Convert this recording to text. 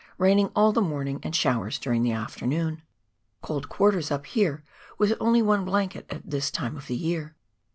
Raining all the morning and showers during the afternoon. Cold quarters up here with only one blanket at this time of the year.